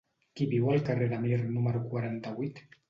Qui viu al carrer de Mir número quaranta-vuit?